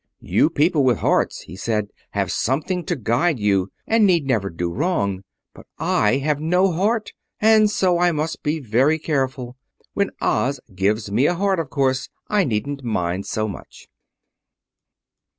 "You people with hearts," he said, "have something to guide you, and need never do wrong; but I have no heart, and so I must be very careful. When Oz gives me a heart of course I needn't mind so much."